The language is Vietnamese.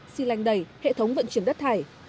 xi lanh đầy hệ thống vận chuyển đất thải